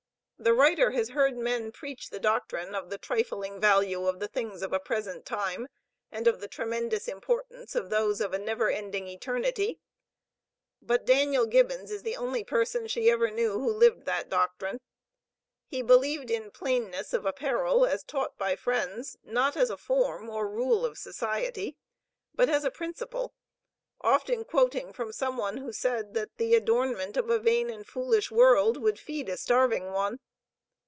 The writer has heard men preach the doctrine of the trifling value of the things of a present time, and of the tremendous importance of those of a never ending eternity, but Daniel Gibbons is the only person she ever knew, who lived that doctrine. He believed in plainness of apparel as taught by Friends, not as a form or a rule of society, but as a principle; often quoting from some one who said that "the adornment of a vain and foolish world, would feed a starving one."